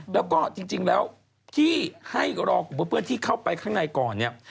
แล้วก็จริงแล้วที่ให้รอกลุ่มเพื่อนที่เข้าไปข้างในก่อนเนี่ย